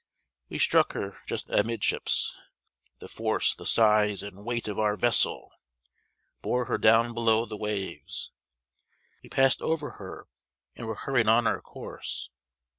We struck her just amidships. The force, the size, and weight of our vessel, bore her down below the waves; we passed over her and were hurried on our course.